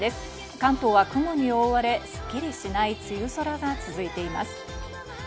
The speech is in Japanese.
関東は雲に覆われ、すっきりしない梅雨空が続いています。